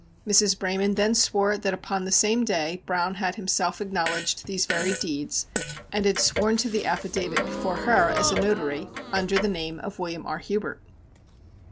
Mrs. Braman then swore that upon the same day Browne had himself acknowledged these very deeds and had sworn to the affidavit before her as a notary, under the name of William R. Hubert.